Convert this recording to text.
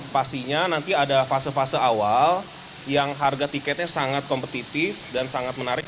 pastinya nanti ada fase fase awal yang harga tiketnya sangat kompetitif dan sangat menarik